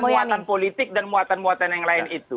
mewatan mewatan politik dan muatan muatan yang lain itu